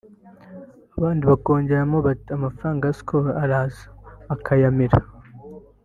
abandi bakongeramo bati amafaranga ya Skol araza ukayamira